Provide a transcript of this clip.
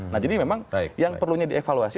nah jadi memang yang perlunya dievaluasi